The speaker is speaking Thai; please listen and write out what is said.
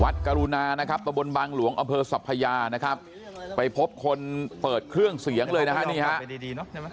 กรุณานะครับตะบนบางหลวงอำเภอสัพพยานะครับไปพบคนเปิดเครื่องเสียงเลยนะฮะนี่ฮะ